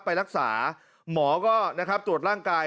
ไปรักษาหมอก็นะครับตรวจร่างกาย